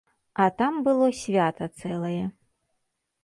А там было свята цэлае.